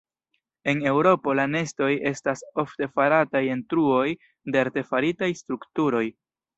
En Eŭropo la nestoj estas ofte farataj en truoj de artefaritaj strukturoj.